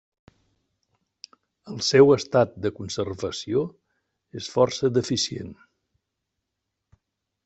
El seu estat de conservació és força deficient.